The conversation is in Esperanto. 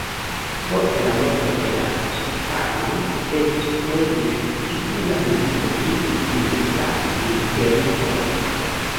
Post la morto de la sultano eksplodis civila milito kiu finis la imperion.